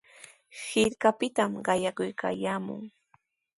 Hirkapitami qayakuykaayaamun.